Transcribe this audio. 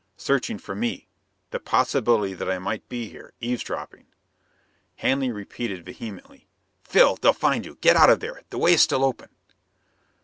Searching for me! The possibility that I might be here, eavesdropping! Hanley repeated vehemently, "Phil, they'll find you! Get out of there: the way is still open!"